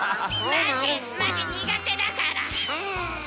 マジマジ苦手だから。